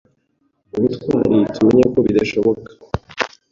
ubutwari, tumenya ko bidashoboka